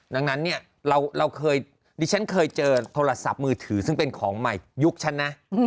ดิฉันเคยเจอโทรศัพท์มือถือซึ่งเป็นของใหม่ยุคฉันนะ